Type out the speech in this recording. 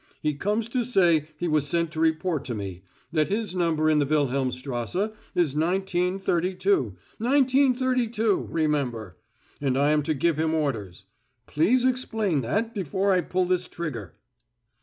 He comes to say he was sent to report to me; that his number in the Wilhelmstrasse is nineteen thirty two nineteen thirty two, remember; and I am to give him orders. Please explain that before I pull this trigger."